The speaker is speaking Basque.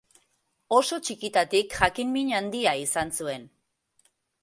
Oso txikitatik jakin-min handia izan zuen.